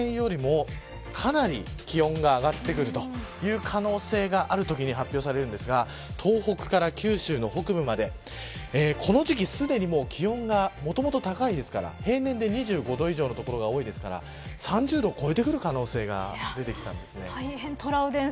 今週、早期天候情報というのが出されまして平年よりも、かなり気温が上がってくるという可能性があるときに発表されますが東北から九州の北部までこの時期すでに気温がもともと高いですから平年で２５度以上の所が多いですから３０度を超えてくる可能性が出てきました。